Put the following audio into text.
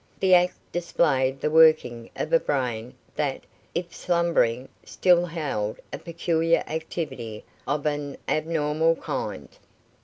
The act displayed the working of a brain that, if slumbering, still held a peculiar activity of an abnormal kind.